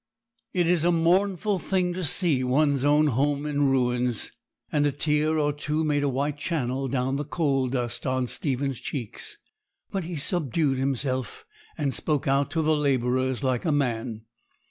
It is a mournful thing to see one's own home in ruins; and a tear or two made a white channel down the coal dust on Stephen's cheeks; but he subdued himself, and spoke out to the labourers like a man.